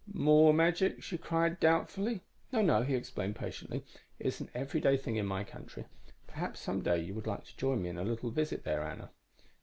"_ "More magic," she cried doubtfully. _"No, no," he explained patiently. "It is an everyday thing in my country. Perhaps some day you would like to join me in a little visit there, Anna?"